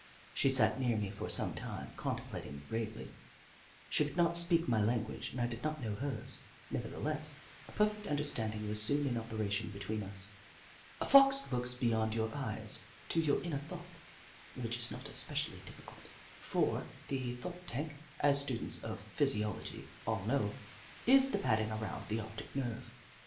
She sat near me for some time, contemplat ing me gravely, She could not speak my lan guage and I did not know hers, nevertheless a perfect understanding was soon in operation between us, A Fox looks beyond your eyes to your inner thought, which is not especially difficult, for the thought tank, as students of physiology all know, is the padding around the optic nerve.